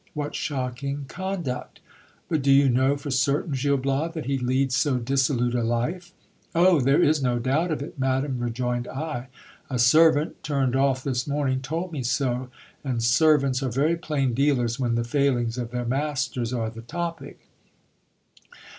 What shocking con duct 1 But do you know for certain, Gil Bias, that he leads so dissolute a life ? Oh ! there is no doubt of it, madam, rejoined I. A servant, turned off this morning, told me so, and servants are very plain dealers when the failings of their masters are the topic.